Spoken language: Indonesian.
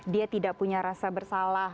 dia tidak punya rasa bersalah